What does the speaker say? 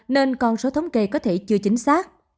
nên con số thống kê có thể chưa chính xác